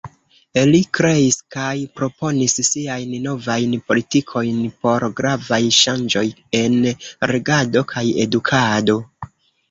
Li kreis kaj proponis siajn Novajn Politikojn por gravaj ŝanĝoj en regado kaj edukado.